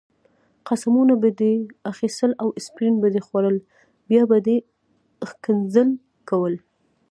قسمونه به دې اخیستل او اسپرین به دې خوړل، بیا به دې ښکنځل کول.